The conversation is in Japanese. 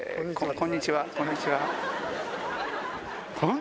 こんにちは！